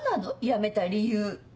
やめた理由。